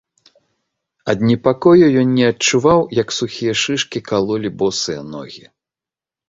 Ад непакою ён не адчуваў, як сухія шышкі калолі босыя ногі.